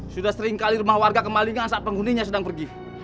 sudah seringkali rumah warga kemalingan saat penghuninya sedang pergi